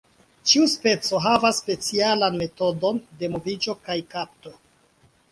Ĉiu speco havas specialan metodon de moviĝo kaj kapto.